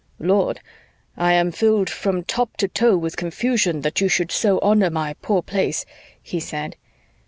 "Lord, I am filled from top to toe with confusion that you should so honor my poor Place," he said.